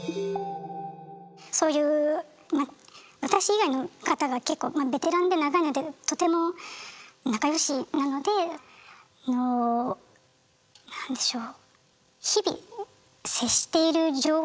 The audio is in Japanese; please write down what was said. そういう私以外の方が結構ベテランで長いのでとても仲よしなのであのなんでしょう。